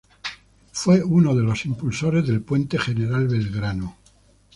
Fue uno de los impulsores del Puente General Belgrano.